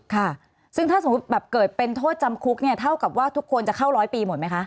ค่ะซึ่งถ้าสมมุติแบบเกิดเป็นโทษจำคุกเนี่ยเท่ากับว่าทุกคนจะเข้าร้อยปีหมดไหมคะ